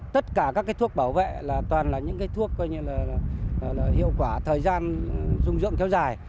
tất cả các thuốc bảo vệ toàn là những thuốc hiệu quả thời gian dung dưỡng kéo dài